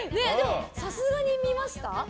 さすがに見ました？